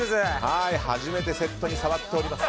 初めてセットに触っております。